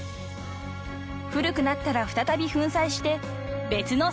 ［古くなったら再び粉砕して別の製品に］